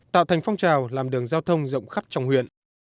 tạo thành phong trào làm đường giao thông rộng khắp trong huyện